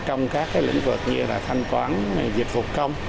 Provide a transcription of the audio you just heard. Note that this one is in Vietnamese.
trong các lĩnh vực như là thanh toán dịch vụ công